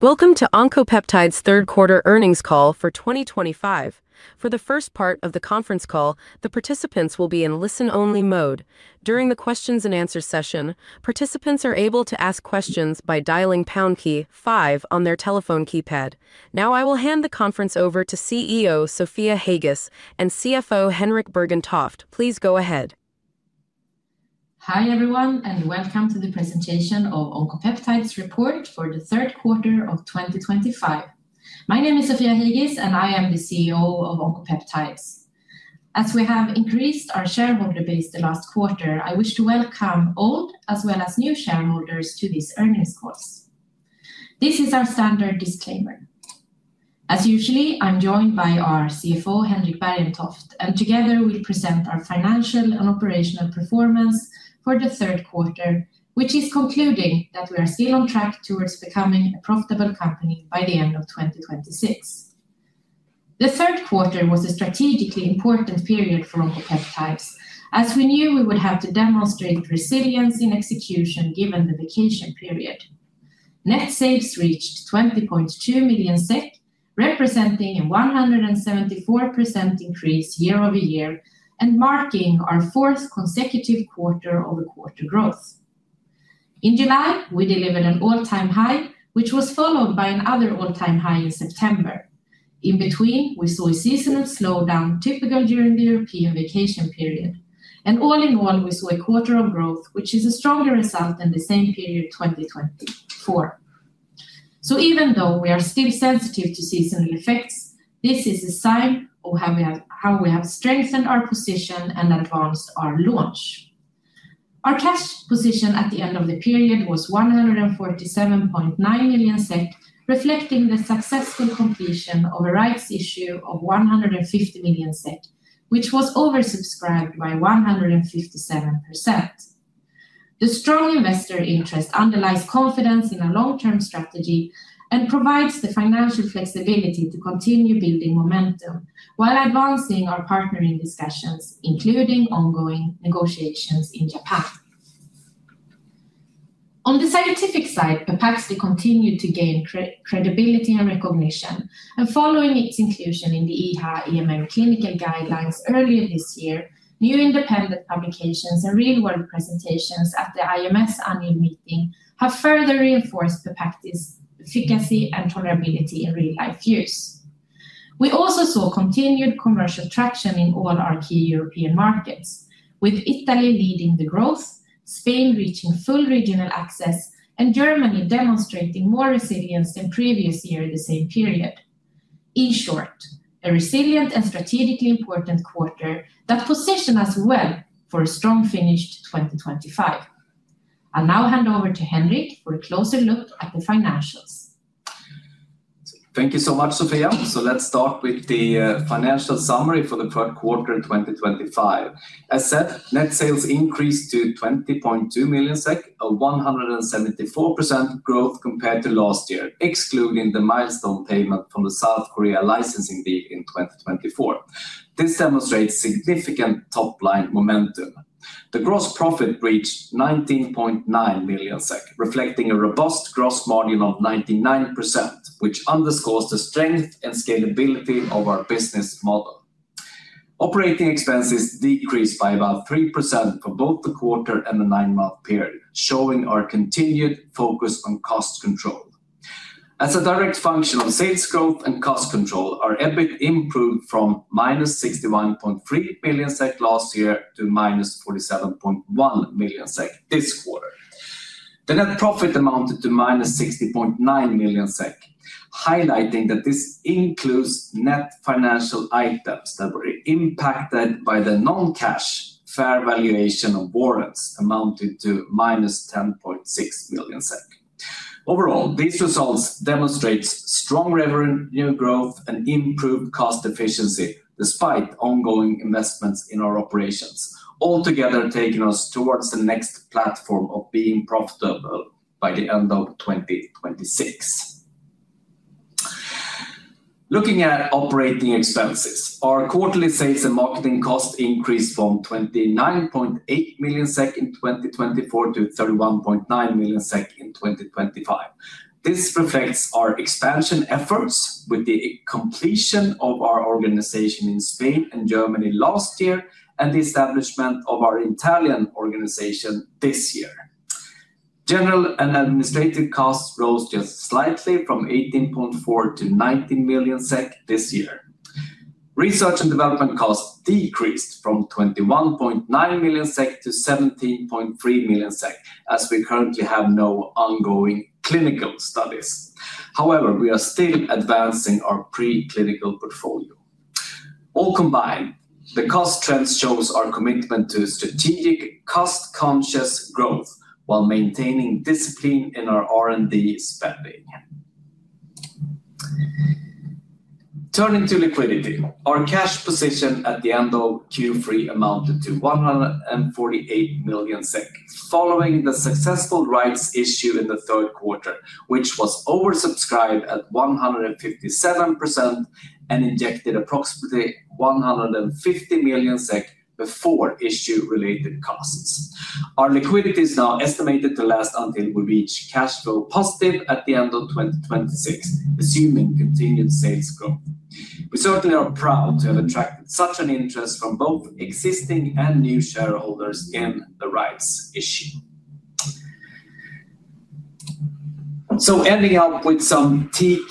Welcome to Oncopeptides' third-quarter earnings call for 2025. For the first part of the conference call, the participants will be in listen-only mode. During the questions-and-answers session, participants are able to ask questions by dialing pound key five on their telephone keypad. Now, I will hand the conference over to CEO Sofia Heigis and CFO Henrik Bergentoft. Please go ahead. Hi everyone, and welcome to the presentation of Oncopeptides' report for the third quarter of 2025. My name is Sofia Heigis, and I am the CEO of Oncopeptides. As we have increased our shareholder base the last quarter, I wish to welcome old as well as new shareholders to this earnings call. This is our standard disclaimer. As usually, I'm joined by our CFO, Henrik Bergentoft, and together we'll present our financial and operational performance for the third quarter, which is concluding that we are still on track towards becoming a profitable company by the end of 2026. The third quarter was a strategically important period for Oncopeptides, as we knew we would have to demonstrate resilience in execution given the vacation period. Net sales reached 20.2 million SEK, representing a 174% increase year-over-year and marking our fourth consecutive quarter-over-quarter growth. In July, we delivered an all-time high, which was followed by another all-time high in September. In between, we saw a seasonal slowdown typical during the European vacation period. All in all, we saw a quarter on growth, which is a stronger result than the same period 2024. Even though we are still sensitive to seasonal effects, this is a sign of how we have strengthened our position and advanced our launch. Our cash position at the end of the period was 147.9 million SEK, reflecting the successful completion of a rights issue of 150 million SEK, which was oversubscribed by 157%. The strong investor interest underlies confidence in a long-term strategy and provides the financial flexibility to continue building momentum while advancing our partnering discussions, including ongoing negotiations in Japan. On the scientific side, Pepaxti continued to gain credibility and recognition, and following its inclusion in the EHA-EMN clinical guidelines earlier this year, new independent publications and real-world presentations at the IMS annual meeting have further reinforced Pepaxti's efficacy and tolerability in real-life use. We also saw continued commercial traction in all our key European markets, with Italy leading the growth, Spain reaching full regional access, and Germany demonstrating more resilience than previous year in the same period. In short, a resilient and strategically important quarter that positioned us well for a strong finish to 2025. I'll now hand over to Henrik for a closer look at the financials. Thank you so much, Sofia. Let's start with the financial summary for the third quarter 2025. As said, net sales increased to 20.2 million SEK, a 174% growth compared to last year, excluding the milestone payment from the South Korea licensing deal in 2024. This demonstrates significant top-line momentum. The gross profit reached 19.9 million SEK, reflecting a robust gross margin of 99%, which underscores the strength and scalability of our business model. Operating expenses decreased by about 3% for both the quarter and the nine-month period, showing our continued focus on cost control. As a direct function of sales growth and cost control, our EBIT improved from -61.3 million SEK last year to -47.1 million SEK this quarter. The net profit amounted to -60.9 million SEK, highlighting that this includes net financial items that were impacted by the non-cash fair valuation of warrants, amounting to -10.6 million SEK. Overall, these results demonstrate strong revenue growth and improved cost efficiency despite ongoing investments in our operations, altogether taking us towards the next platform of being profitable by the end of 2026. Looking at operating expenses, our quarterly sales and marketing cost increased from 29.8 million SEK in 2024 to 31.9 million SEK in 2025. This reflects our expansion efforts with the completion of our organization in Spain and Germany last year and the establishment of our Italian organization this year. General and administrative costs rose just slightly from 18.4 million-19 million SEK this year. Research and development costs decreased from 21.9 million-17.3 million SEK, as we currently have no ongoing clinical studies. However, we are still advancing our pre-clinical portfolio. All combined, the cost trends shows our commitment to strategic, cost-conscious growth while maintaining discipline in our R&D spending. Turning to liquidity, our cash position at the end of Q3 amounted to 148 million SEK, following the successful rights issue in the third quarter, which was oversubscribed at 157% and injected approximately 150 million SEK before issue-related costs. Our liquidity is now estimated to last until we reach cash flow positive at the end of 2026, assuming continued sales growth. We certainly are proud to have attracted such an interest from both existing and new shareholders in the rights issue. Ending up with some key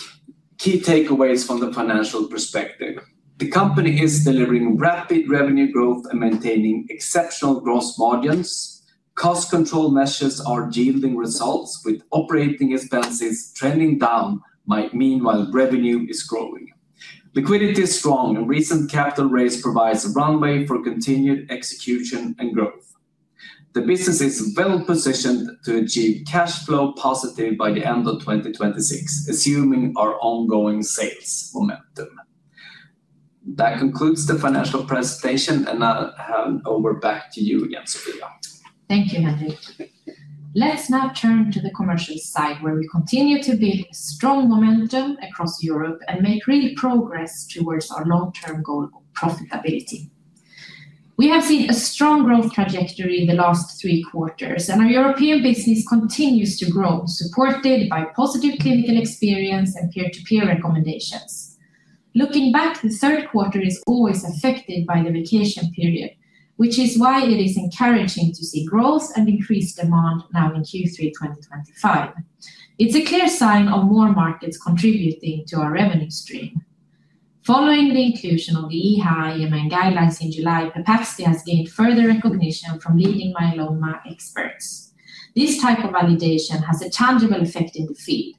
takeaways from the financial perspective, the company is delivering rapid revenue growth and maintaining exceptional gross margins. Cost control measures are yielding results, with operating expenses trending down meanwhile revenue is growing. Liquidity is strong, and recent capital raise provides a runway for continued execution and growth. The business is well positioned to achieve cash flow positive by the end of 2026, assuming our ongoing sales momentum. That concludes the financial presentation, and I'll hand over back to you again, Sofia. Thank you, Henrik. Let's now turn to the commercial side, where we continue to build strong momentum across Europe and make real progress towards our long-term goal of profitability. We have seen a strong growth trajectory in the last three quarters, and our European business continues to grow, supported by positive clinical experience and peer-to-peer recommendations. Looking back, the third quarter is always affected by the vacation period, which is why it is encouraging to see growth and increased demand now in Q3 2025. It's a clear sign of more markets contributing to our revenue stream. Following the inclusion of the EHA-EMN guidelines in July, Pepaxti has gained further recognition from leading myeloma experts. This type of validation has a tangible effect in the field.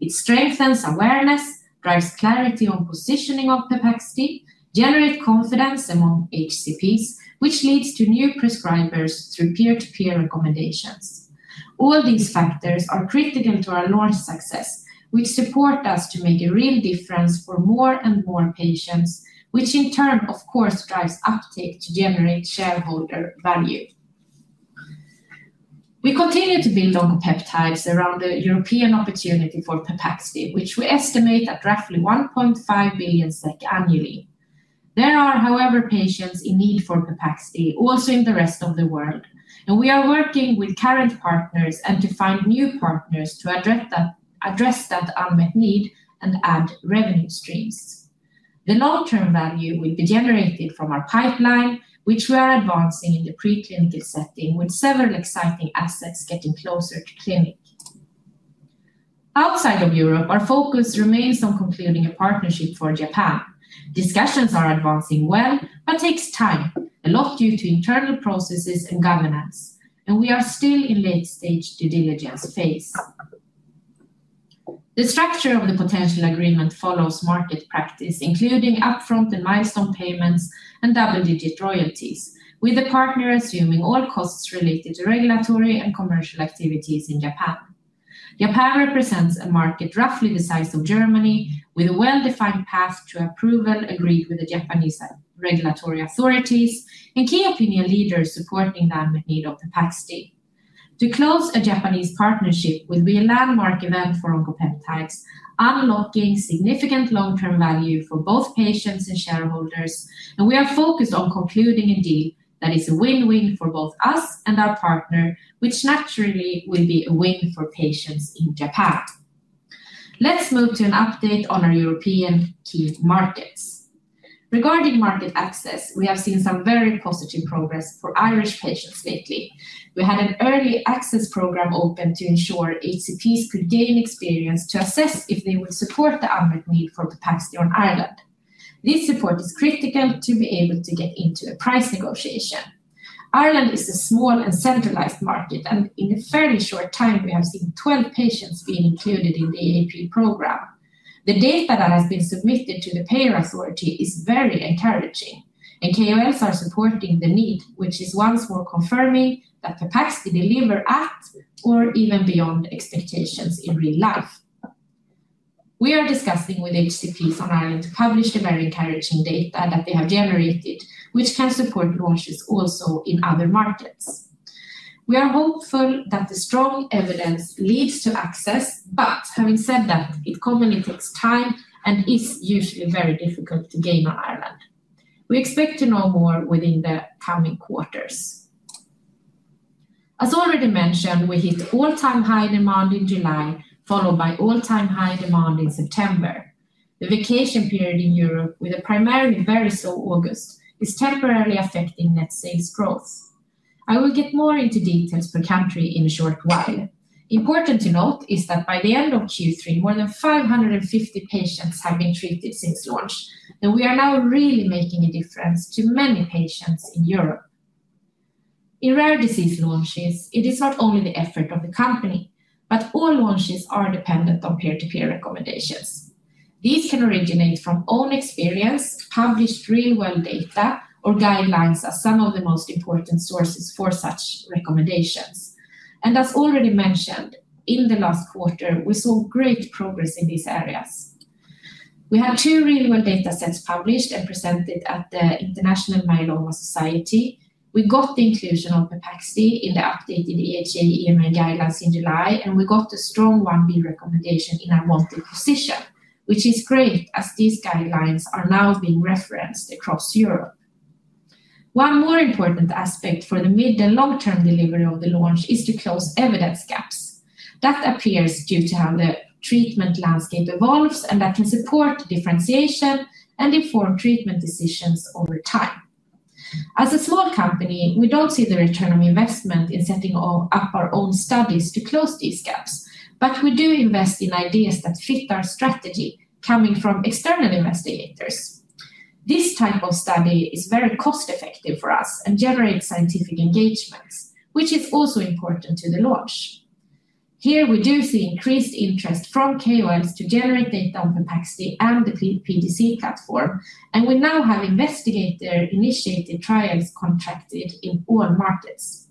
It strengthens awareness, drives clarity on positioning of Pepaxti, generates confidence among HCPs, which leads to new prescribers through peer-to-peer recommendations. All these factors are critical to our launch success, which support us to make a real difference for more and more patients, which in turn, of course, drives uptake to generate shareholder value. We continue to build Oncopeptides around the European opportunity for Pepaxti, which we estimate at roughly 1.5 billion SEK annually. There are, however, patients in need for Pepaxti also in the rest of the world, and we are working with current partners and to find new partners to address that unmet need and add revenue streams. The long-term value will be generated from our pipeline, which we are advancing in the pre-clinical setting, with several exciting assets getting closer to clinic. Outside of Europe, our focus remains on concluding a partnership for Japan. Discussions are advancing well, but take time, a lot due to internal processes and governance, and we are still in late-stage due diligence phase. The structure of the potential agreement follows market practice, including upfront and milestone payments and double-digit royalties, with the partner assuming all costs related to regulatory and commercial activities in Japan. Japan represents a market roughly the size of Germany, with a well-defined path to approval agreed with the Japanese regulatory authorities and key opinion leaders supporting the unmet need of Pepaxti. To close a Japanese partnership, we will landmark event for Oncopeptides, unlocking significant long-term value for both patients and shareholders, and we are focused on concluding a deal that is a win-win for both us and our partner, which naturally will be a win for patients in Japan. Let's move to an update on our European key markets. Regarding market access, we have seen some very positive progress for Irish patients lately. We had an early access program open to ensure HCPs could gain experience to assess if they would support the unmet need for Pepaxti on Ireland. This support is critical to be able to get into a price negotiation. Ireland is a small and centralized market, and in a fairly short time, we have seen 12 patients being included in the EAP program. The data that has been submitted to the payer authority is very encouraging, and KOLs are supporting the need, which is once more confirming that Pepaxti delivers at or even beyond expectations in real life. We are discussing with HCPs on Ireland to publish the very encouraging data that they have generated, which can support launches also in other markets. We are hopeful that the strong evidence leads to access, but having said that, it commonly takes time and is usually very difficult to gain on Ireland. We expect to know more within the coming quarters. As already mentioned, we hit all-time high demand in July, followed by all-time high demand in September. The vacation period in Europe, with a primarily very slow August, is temporarily affecting net sales growth. I will get more into details per country in a short while. Important to note is that by the end of Q3, more than 550 patients have been treated since launch, and we are now really making a difference to many patients in Europe. In rare disease launches, it is not only the effort of the company, but all launches are dependent on peer-to-peer recommendations. These can originate from own experience, published real-world data, or guidelines as some of the most important sources for such recommendations. As already mentioned, in the last quarter, we saw great progress in these areas. We had two real-world data sets published and presented at the International Myeloma Society. We got the inclusion of Pepaxti in the updated EHA-EMN guidelines in July, and we got a strong 1B recommendation in our multi-position, which is great as these guidelines are now being referenced across Europe. One more important aspect for the mid and long-term delivery of the launch is to close evidence gaps. That appears due to how the treatment landscape evolves and that can support differentiation and inform treatment decisions over time. As a small company, we do not see the return on investment in setting up our own studies to close these gaps, but we do invest in ideas that fit our strategy coming from external investigators. This type of study is very cost-effective for us and generates scientific engagements, which is also important to the launch. Here, we do see increased interest from KOLs to generate data on Pepaxti and the PDC platform, and we now have investigator-initiated trials contracted in all markets.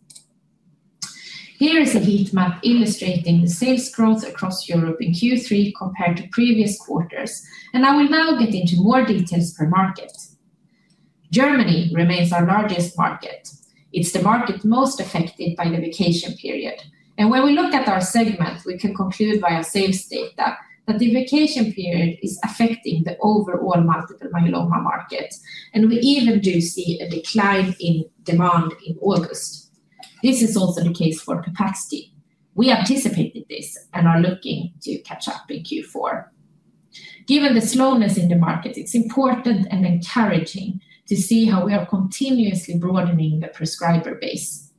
Here is a heat map illustrating the sales growth across Europe in Q3 compared to previous quarters, and I will now get into more details per market. Germany remains our largest market. It is the market most affected by the vacation period. When we look at our segment, we can conclude via sales data that the vacation period is affecting the overall multiple myeloma market, and we even do see a decline in demand in August. This is also the case for Pepaxti. We anticipated this and are looking to catch up in Q4. Given the slowness in the market, it's important and encouraging to see how we are continuously broadening the prescriber base.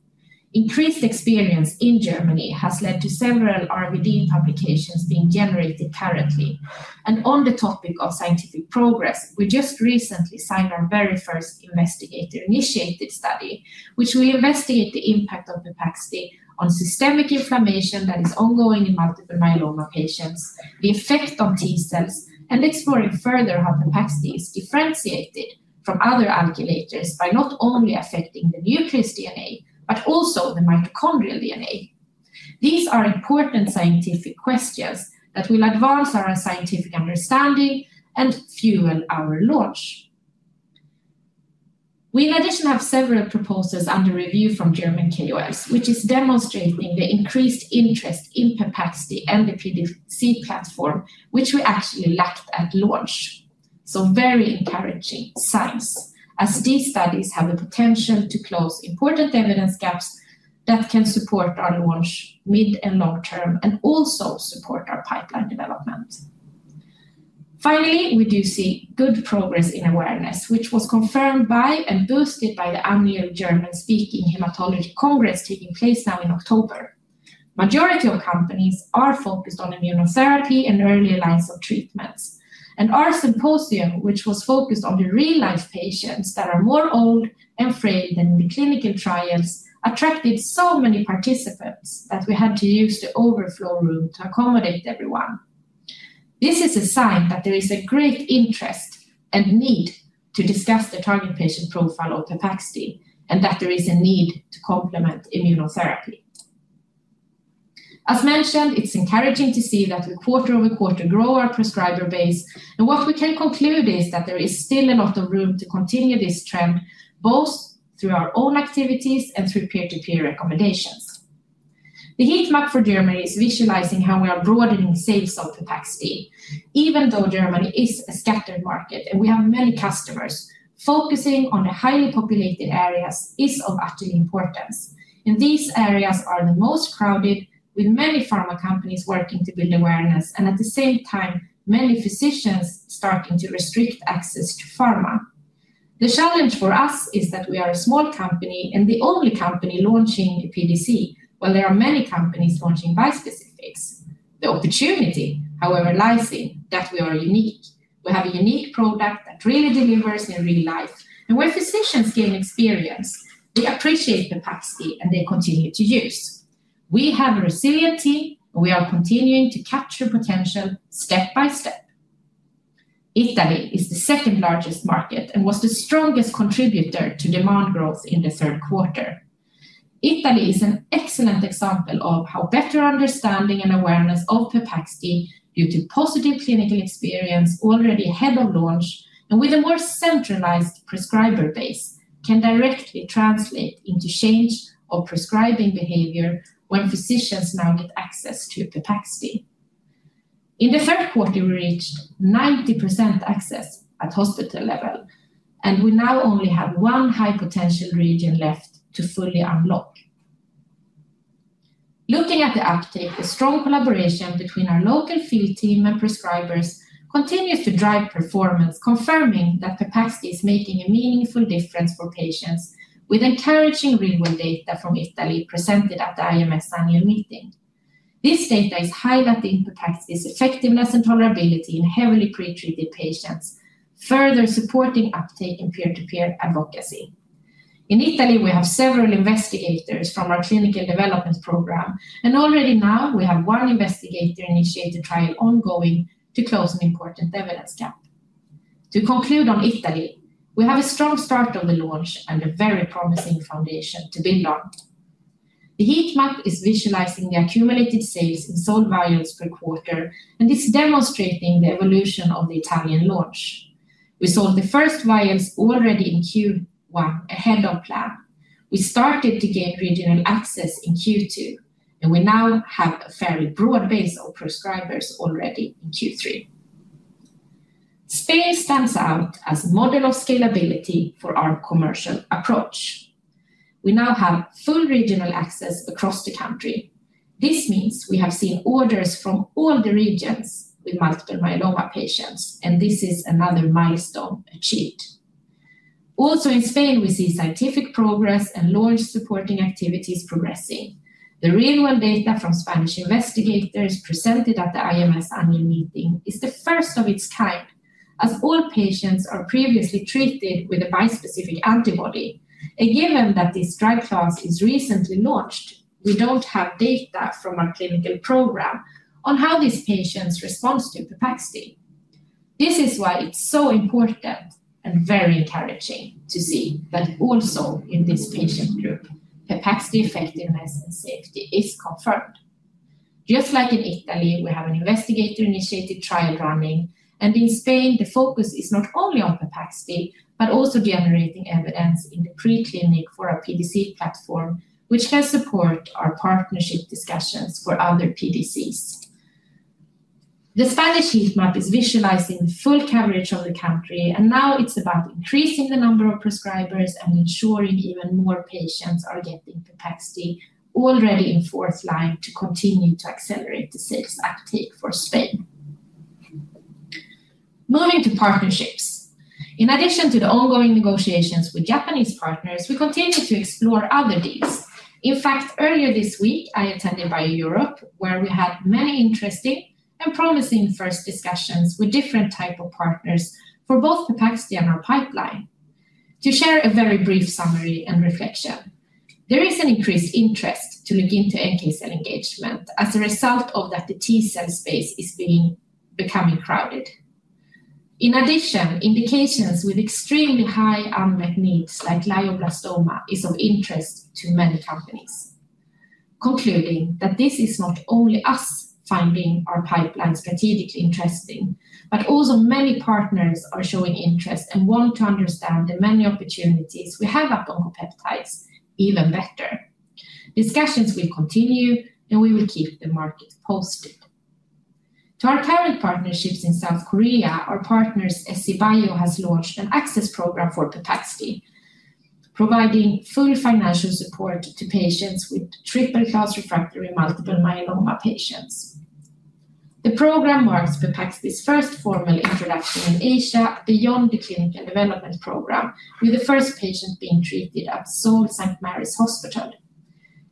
Increased experience in Germany has led to several R&D publications being generated currently. On the topic of scientific progress, we just recently signed our very first investigator-initiated study, which will investigate the impact of Pepaxti on systemic inflammation that is ongoing in multiple myeloma patients, the effect on T cells, and exploring further how Pepaxti is differentiated from other alkylators by not only affecting the nucleus DNA but also the mitochondrial DNA. These are important scientific questions that will advance our scientific understanding and fuel our launch. We in addition have several proposals under review from German KOLs, which is demonstrating the increased interest in Pepaxti and the PDC platform, which we actually lacked at launch. Very encouraging signs, as these studies have the potential to close important evidence gaps that can support our launch mid and long term and also support our pipeline development. Finally, we do see good progress in awareness, which was confirmed by and boosted by the annual German Speaking Hematology Congress taking place now in October. Majority of companies are focused on immunotherapy and early lines of treatments, and our symposium, which was focused on the real-life patients that are more old and frail than in the clinical trials, attracted so many participants that we had to use the overflow room to accommodate everyone. This is a sign that there is a great interest and need to discuss the target patient profile of Pepaxti and that there is a need to complement immunotherapy. As mentioned, it's encouraging to see that we quarter-over-quarter grow our prescriber base, and what we can conclude is that there is still a lot of room to continue this trend, both through our own activities and through peer-to-peer recommendations. The heat map for Germany is visualizing how we are broadening sales of Pepaxti. Even though Germany is a scattered market and we have many customers, focusing on the highly populated areas is of utter importance. These areas are the most crowded, with many pharma companies working to build awareness and at the same time, many physicians starting to restrict access to pharma. The challenge for us is that we are a small company and the only company launching a PDC, while there are many companies launching bispecifics. The opportunity, however, lies in that we are unique. We have a unique product that really delivers in real life, and when physicians gain experience, they appreciate Pepaxti and they continue to use. We have a resilient team, and we are continuing to capture potential step by step. Italy is the second largest market and was the strongest contributor to demand growth in the third quarter. Italy is an excellent example of how better understanding and awareness of Pepaxti, due to positive clinical experience already ahead of launch and with a more centralized prescriber base, can directly translate into change of prescribing behavior when physicians now get access to Pepaxti. In the third quarter, we reached 90% access at hospital level, and we now only have one high potential region left to fully unlock. Looking at the uptake, the strong collaboration between our local field team and prescribers continues to drive performance, confirming that Pepaxti is making a meaningful difference for patients with encouraging real-world data from Italy presented at the IMS annual meeting. This data is highlighting Pepaxti's effectiveness and tolerability in heavily pretreated patients, further supporting uptake in peer-to-peer advocacy. In Italy, we have several investigators from our clinical development program, and already now we have one investigator-initiated trial ongoing to close an important evidence gap. To conclude on Italy, we have a strong start of the launch and a very promising foundation to build on. The heat map is visualizing the accumulated sales in sold vials per quarter, and it is demonstrating the evolution of the Italian launch. We sold the first vials already in Q1 ahead of plan. We started to gain regional access in Q2, and we now have a fairly broad base of prescribers already in Q3. Spain stands out as a model of scalability for our commercial approach. We now have full regional access across the country. This means we have seen orders from all the regions with multiple myeloma patients, and this is another milestone achieved. Also in Spain, we see scientific progress and launch supporting activities progressing. The real-world data from Spanish investigators presented at the IMS annual meeting is the first of its kind, as all patients are previously treated with a bispecific antibody. Given that this drug class is recently launched, we do not have data from our clinical program on how these patients respond to Pepaxti. This is why it is so important and very encouraging to see that also in this patient group, Pepaxti effectiveness and safety is confirmed. Just like in Italy, we have an investigator-initiated trial running, and in Spain, the focus is not only on Pepaxti but also generating evidence in the pre-clinic for our PDC platform, which can support our partnership discussions for other PDCs. The Spanish heat map is visualizing the full coverage of the country, and now it is about increasing the number of prescribers and ensuring even more patients are getting Pepaxti already in fourth line to continue to accelerate the sales uptake for Spain. Moving to partnerships. In addition to the ongoing negotiations with Japanese partners, we continue to explore other deals. In fact, earlier this week, I attended BIO-Europe, where we had many interesting and promising first discussions with different types of partners for both Pepaxti and our pipeline. To share a very brief summary and reflection, there is an increased interest to look into NK cell engagement as a result of that the T cell space is becoming crowded. In addition, indications with extremely high unmet needs like glioblastoma is of interest to many companies. Concluding that this is not only us finding our pipeline strategically interesting, but also many partners are showing interest and want to understand the many opportunities we have at Oncopeptides even better. Discussions will continue, and we will keep the market posted. To our current partnerships in South Korea, our partner SCBIO has launched an access program for Pepaxti, providing full financial support to patients with triple-class refractory multiple myeloma patients. The program marks Pepaxti's first formal introduction in Asia beyond the clinical development program, with the first patient being treated at Seoul St. Mary's Hospital.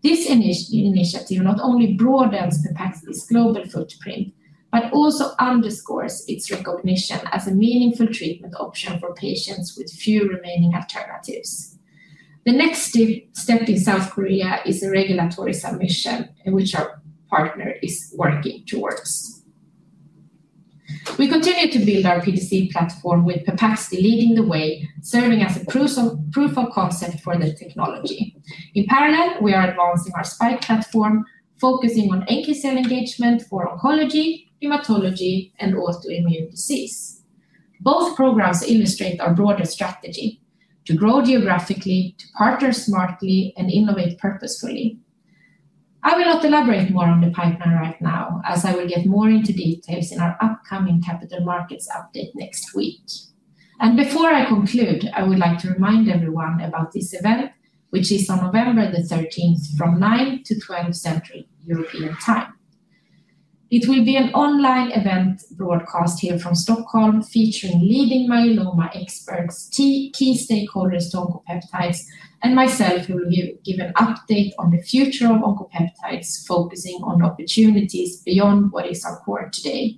This initiative not only broadens Pepaxti's global footprint, but also underscores its recognition as a meaningful treatment option for patients with few remaining alternatives. The next step in South Korea is a regulatory submission which our partner is working towards. We continue to build our PDC platform with Pepaxti leading the way, serving as a proof of concept for the technology. In parallel, we are advancing our SPiKE platform, focusing on NK cell engagement for oncology, hematology, and autoimmune disease. Both programs illustrate our broader strategy: to grow geographically, to partner smartly, and innovate purposefully. I will not elaborate more on the pipeline right now, as I will get more into details in our upcoming capital markets update next week. Before I conclude, I would like to remind everyone about this event, which is on November the 13th from 9:00 to 12:00 Central European Time. It will be an online event broadcast here from Stockholm, featuring leading myeloma experts, key stakeholders to Oncopeptides, and myself, who will give an update on the future of Oncopeptides, focusing on opportunities beyond what is our core today.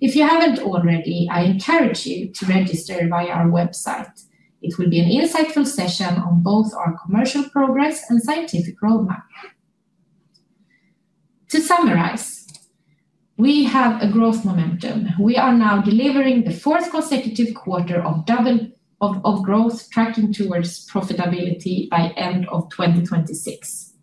If you haven't already, I encourage you to register via our website. It will be an insightful session on both our commercial progress and scientific roadmap. To summarize. We have a growth momentum. We are now delivering the fourth consecutive quarter of growth, tracking towards profitability by the end of 2026.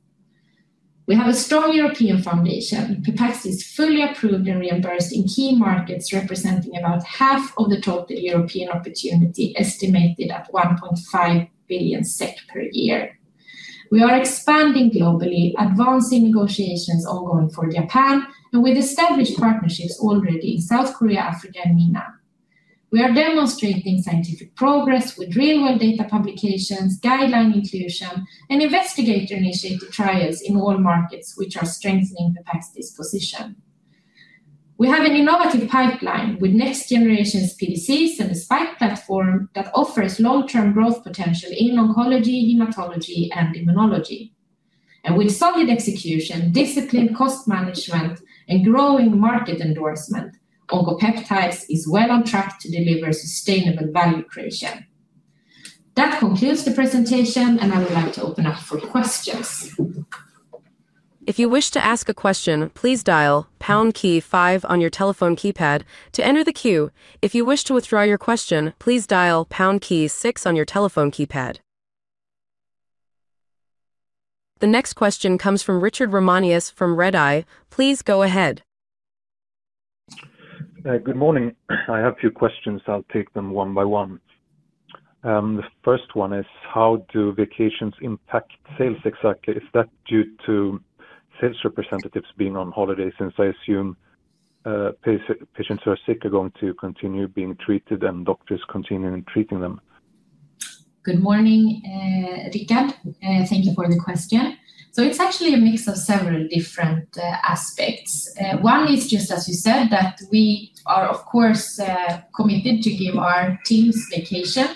We have a strong European foundation. Pepaxti is fully approved and reimbursed in key markets, representing about half of the total European opportunity estimated at 1.5 billion SEK per year. We are expanding globally, advancing negotiations ongoing for Japan, and with established partnerships already in South Korea, Africa, and MENA. We are demonstrating scientific progress with real-world data publications, guideline inclusion, and investigator-initiated trials in all markets, which are strengthening Pepaxti's position. We have an innovative pipeline with next-generation PDCs and a SPiKE platform that offers long-term growth potential in oncology, hematology, and immunology. With solid execution, disciplined cost management, and growing market endorsement, Oncopeptides is well on track to deliver sustainable value creation. That concludes the presentation, and I would like to open up for questions. If you wish to ask a question, please dial pound key five on your telephone keypad to enter the queue. If you wish to withdraw your question, please dial pound key 6 on your telephone keypad. The next question comes from Richard Ramanius from Redeye. Please go ahead. Good morning. I have a few questions. I'll take them one by one. The first one is: how do vacations impact sales exactly? Is that due to sales representatives being on holiday, since I assume patients who are sick are going to continue being treated and doctors continuing treating them? Good morning, Richard. Thank you for the question. It is actually a mix of several different aspects. One is just, as you said, that we are, of course, committed to give our teams vacation.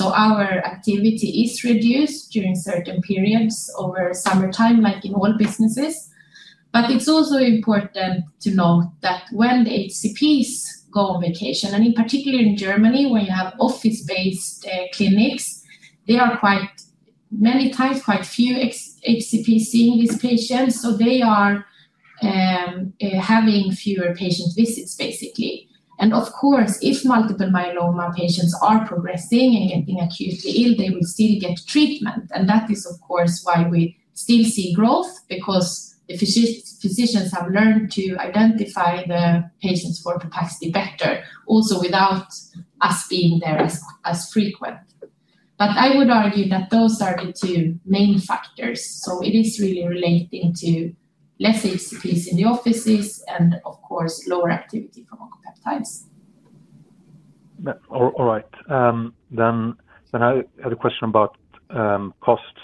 Our activity is reduced during certain periods over summertime, like in all businesses. It is also important to note that when the HCPs go on vacation, and in particular in Germany, where you have office-based clinics, there are quite many times quite few HCPs seeing these patients. They are having fewer patient visits, basically. Of course, if multiple myeloma patients are progressing and getting acutely ill, they will still get treatment. That is, of course, why we still see growth, because the physicians have learned to identify the patients for Pepaxti better, also without us being there as frequent. I would argue that those are the two main factors. It is really relating to less HCPs in the offices and, of course, lower activity. Thanks. All right. Then I had a question about costs,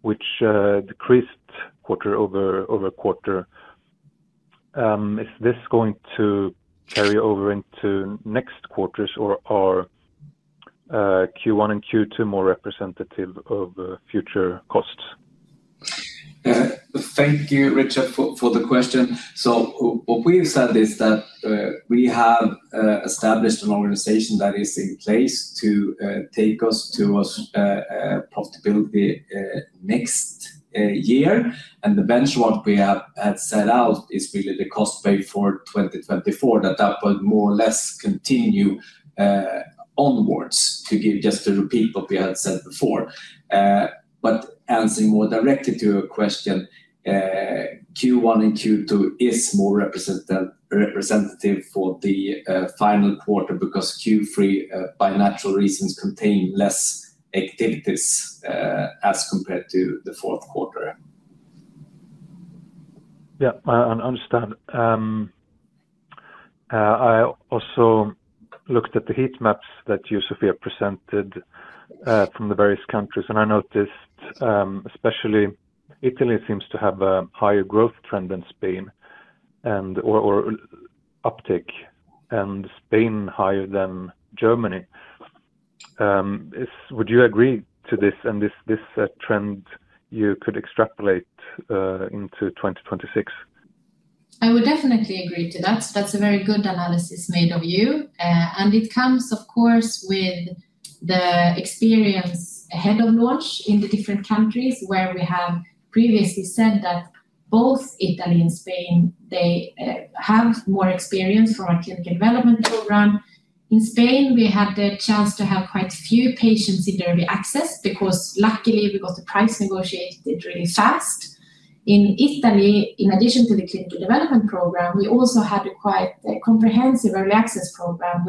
which decreased quarter-over-quarter. Is this going to carry over into next quarters, or are Q1 and Q2 more representative of future costs? Thank you, Richard, for the question. What we've said is that we have established an organization that is in place to take us to profitability next year. The benchmark we have set out is really the cost wave for 2024, that that will more or less continue onwards, to just repeat what we had said before. Answering more directly to your question, Q1 and Q2 are more representative for the final quarter because Q3, by natural reasons, contains less activities as compared to the fourth quarter. Yeah, I understand. I also looked at the heat maps that you, Sofia, presented from the various countries, and I noticed especially Italy seems to have a higher growth trend than Spain or uptake, and Spain higher than Germany. Would you agree to this? And this trend, you could extrapolate into 2026? I would definitely agree to that. That's a very good analysis made of you. It comes, of course, with the experience ahead of launch in the different countries, where we have previously said that both Italy and Spain, they have more experience from our clinical development program. In Spain, we had the chance to have quite a few patients in early access because, luckily, we got the price negotiated really fast. In Italy, in addition to the clinical development program, we also had a quite comprehensive early access program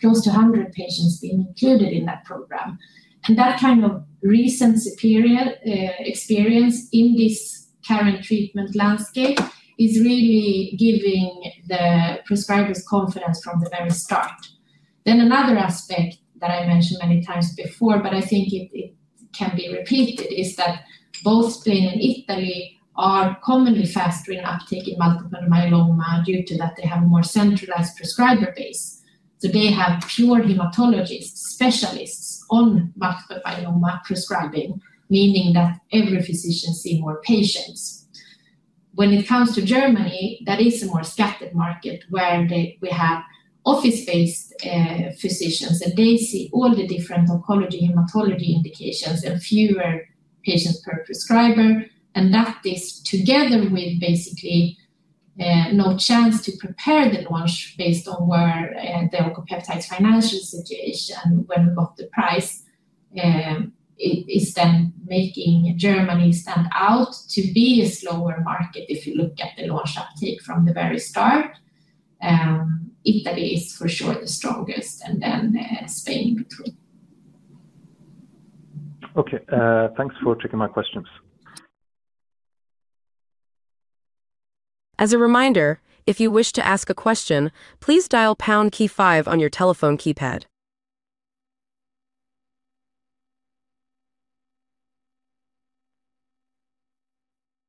with close to 100 patients being included in that program. That kind of recent superior experience in this current treatment landscape is really giving the prescribers confidence from the very start. Another aspect that I mentioned many times before, but I think it can be repeated, is that both Spain and Italy are commonly faster in uptaking multiple myeloma due to that they have a more centralized prescriber base. They have fewer hematologists, specialists on multiple myeloma prescribing, meaning that every physician sees more patients. When it comes to Germany, that is a more scattered market where we have office-based physicians, and they see all the different oncology, hematology indications and fewer patients per prescriber. That is, together with basically no chance to prepare the launch based on where the Oncopeptides financial situation when we got the price, is then making Germany stand out to be a slower market if you look at the launch uptake from the very start. Italy is for sure the strongest, and then Spain in between. Okay. Thanks for taking my questions. As a reminder, if you wish to ask a question, please dial pound key five on your telephone keypad.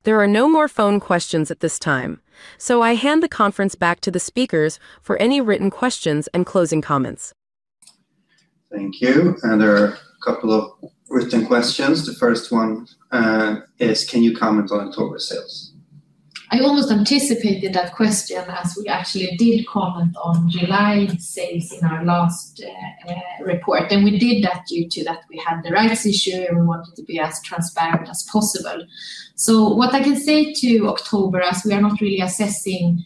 There are no more phone questions at this time, so I hand the conference back to the speakers for any written questions and closing comments. Thank you. There are a couple of written questions. The first one is: can you comment on October sales? I almost anticipated that question as we actually did comment on July sales in our last report. We did that due to that we had the rights issue and we wanted to be as transparent as possible. What I can say to October, as we are not really assessing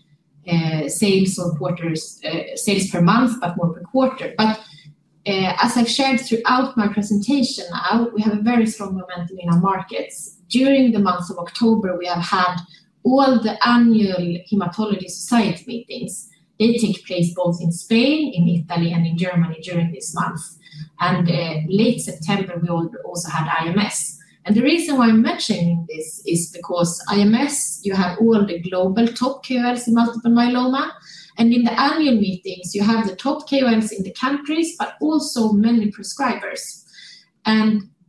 sales per quarter, sales per month, but more per quarter. As I have shared throughout my presentation now, we have a very strong momentum in our markets. During the month of October, we have had all the annual hematology society meetings. They take place both in Spain, in Italy, and in Germany during this month. Late September, we also had IMS. The reason why I am mentioning this is because IMS, you have all the global top KOLs in multiple myeloma. In the annual meetings, you have the top KOLs in the countries, but also many prescribers.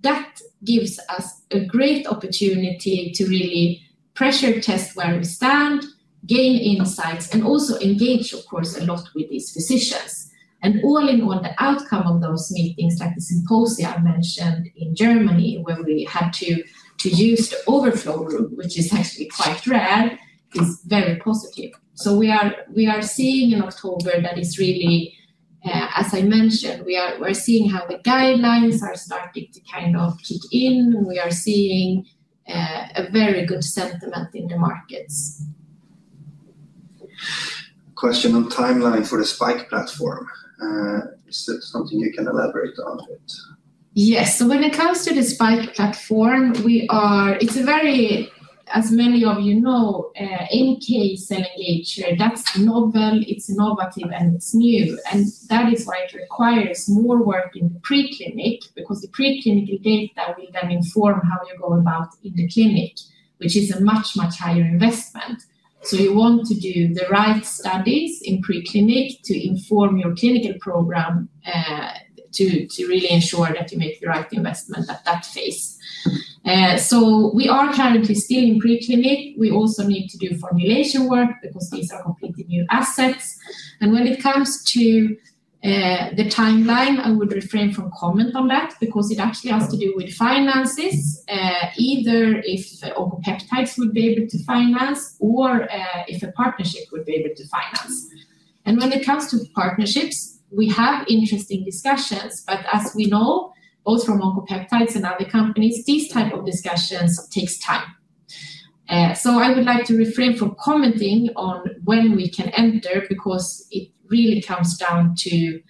That gives us a great opportunity to really pressure test where we stand, gain insights, and also engage, of course, a lot with these physicians. All in on the outcome of those meetings, like the symposium I mentioned in Germany, where we had to use the overflow room, which is actually quite rare, is very positive. We are seeing in October that it's really, as I mentioned, we are seeing how the guidelines are starting to kind of kick in, and we are seeing a very good sentiment in the markets. Question on timeline for the SPiKE platform. Is that something you can elaborate on a bit? Yes. When it comes to the SPiKE platform, it's a very, as many of you know, NK cell engagement, that's novel. It's innovative, and it's new. That is why it requires more work in the preclinic because the preclinical data will then inform how you go about in the clinic, which is a much, much higher investment. You want to do the right studies in preclinic to inform your clinical program to really ensure that you make the right investment at that phase. We are currently still in preclinic. We also need to do formulation work because these are completely new assets. When it comes to the timeline, I would refrain from comment on that because it actually has to do with finances, either if Oncopeptides would be able to finance or if a partnership would be able to finance. When it comes to partnerships, we have interesting discussions. As we know, both from Oncopeptides and other companies, these types of discussions take time. I would like to refrain from commenting on when we can enter because it really comes down to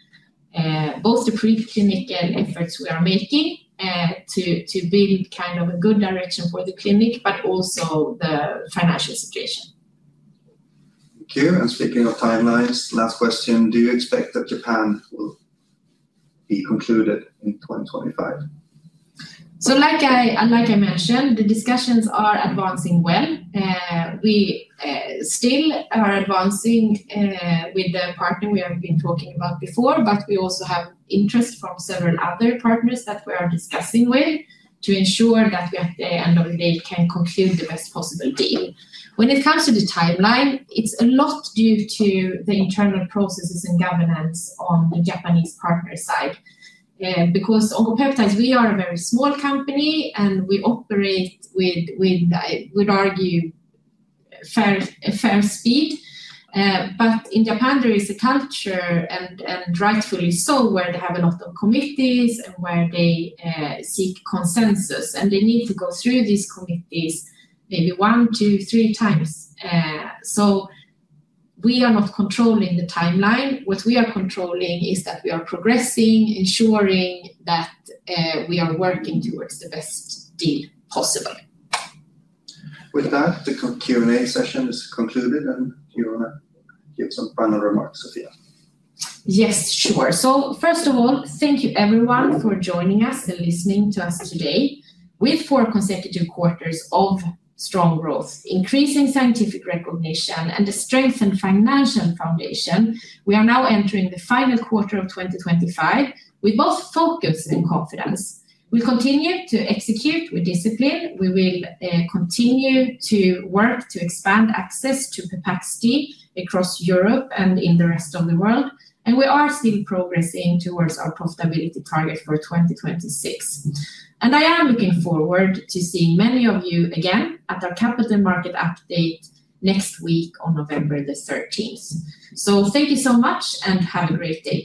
both the preclinical efforts we are making to build kind of a good direction for the clinic, but also the financial situation. Thank you. Speaking of timelines, last question: do you expect that Japan will be concluded in 2025? Like I mentioned, the discussions are advancing well. We still are advancing with the partner we have been talking about before, but we also have interest from several other partners that we are discussing with to ensure that we at the end of the day can conclude the best possible deal. When it comes to the timeline, it's a lot due to the internal processes and governance on the Japanese partner side. Oncopeptides, we are a very small company, and we operate with, I would argue, fair speed. In Japan, there is a culture, and rightfully so, where they have a lot of committees and where they seek consensus. They need to go through these committees maybe one, two, three times. We are not controlling the timeline. What we are controlling is that we are progressing, ensuring that we are working towards the best deal possible. With that, the Q&A session is concluded. Do you want to give some final remarks, Sofia? Yes, sure. First of all, thank you, everyone, for joining us and listening to us today. With four consecutive quarters of strong growth, increasing scientific recognition, and a strengthened financial foundation, we are now entering the final quarter of 2025 with both focus and confidence. We continue to execute with discipline. We will continue to work to expand access to capacity across Europe and in the rest of the world. We are still progressing towards our profitability target for 2026. I am looking forward to seeing many of you again at our capital market update next week on November the 13th. Thank you so much and have a great day.